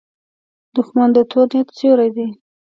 دښمن د تور نیت سیوری دی